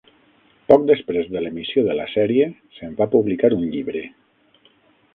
Poc després de l'emissió de la sèrie se'n va publicar un llibre.